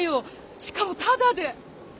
しかもタダで。